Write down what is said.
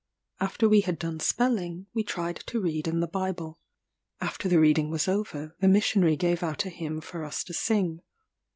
After we had done spelling, we tried to read in the Bible. After the reading was over, the missionary gave out a hymn for us to sing.